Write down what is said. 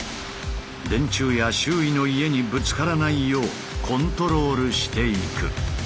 電柱や周囲の家にぶつからないようコントロールしていく。